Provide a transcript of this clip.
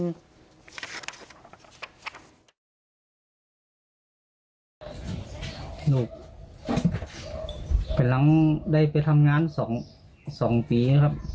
จุยเหลีย